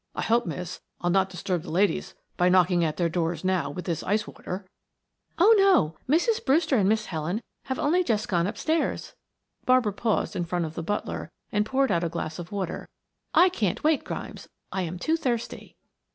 "I hope, miss, I'll not disturb the ladies by knocking at their doors now with this ice water." "Oh, no, Mrs. Brewster and Miss Helen have only just gone upstairs." Barbara paused in front of the butler and poured out a glass of water. "I can't wait, Grimes, I am too thirsty."